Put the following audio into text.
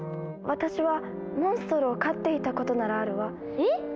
私はモンストロを飼っていたことならあるわ。えっ？